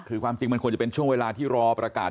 คือความจริงมันควรจะเป็นช่วงเวลาที่รอประกาศ